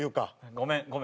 ごめんごめん。